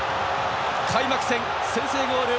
開幕戦、先制ゴール